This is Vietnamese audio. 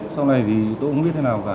sau này thì tôi không biết thế nào cả